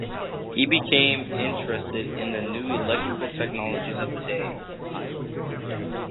He became interested in the new electrical technologies of the day.